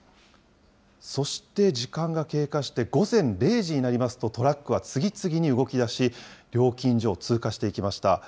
そして、時間が経過して午前０時になりますと、トラックは次々に動きだし、料金所を通過していきました。